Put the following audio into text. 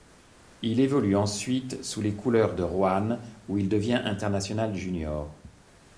Il évolue ensuite sous les couleurs de Roanne, où il devient international junior.